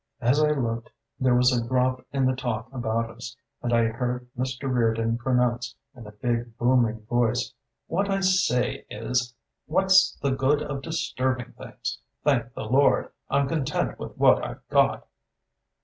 As I looked there was a drop in the talk about us, and I heard Mr. Reardon pronounce in a big booming voice: "What I say is: what's the good of disturbing things? Thank the Lord, I'm content with what I've got!"